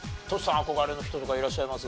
憧れの人とかいらっしゃいます？